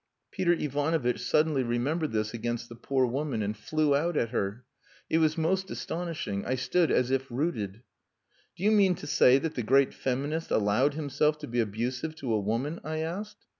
Peter Ivanovitch suddenly remembered this against the poor woman, and flew out at her. It was most astonishing. I stood as if rooted." "Do you mean to say that the great feminist allowed himself to be abusive to a woman?" I asked.